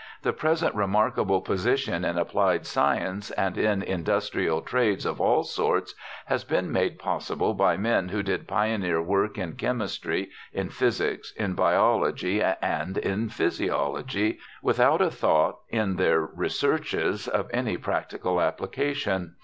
The present remarkable position in applied science and in industrial trades of all sorts has been made possible by men who did pioneer work in chemistry, in physics, in biology, and in physiology, without a thought in their researches of any practical application.